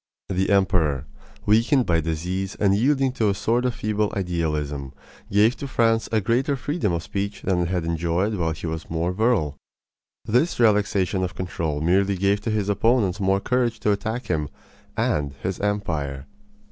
The emperor, weakened by disease and yielding to a sort of feeble idealism, gave to France a greater freedom of speech than it had enjoyed while he was more virile. This relaxation of control merely gave to his opponents more courage to attack him and his empire.